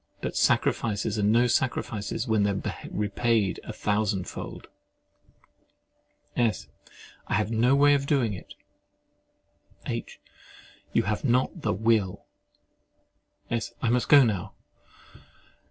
But sacrifices are no sacrifices when they are repaid a thousand fold. S. I have no way of doing it. H. You have not the will.— S. I must go now.